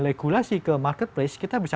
regulasi ke marketplace kita bisa